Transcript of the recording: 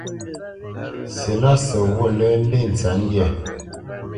Silásə ghǔt lə́ ndé tsə̌tndyǎ.